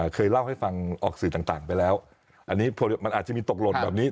เคยเล่าให้ฟังออกสื่อต่างไปแล้วอันนี้พอมันอาจจะมีตกหล่นแบบนี้